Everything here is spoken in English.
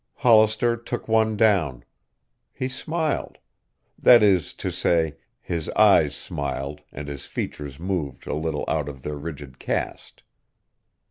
Hollister took one down. He smiled; that is to say, his eyes smiled and his features moved a little out of their rigid cast.